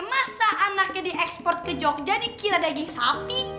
masa anaknya diekspor ke jogja nih kira daging sapi